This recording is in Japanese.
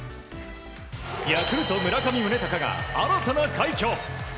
ヤクルト、村上宗隆が新たな快挙。